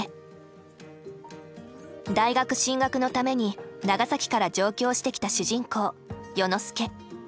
大学進学のために長崎から上京してきた主人公世之介。